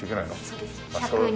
そうです。